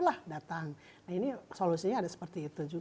nah ini solusinya ada seperti itu juga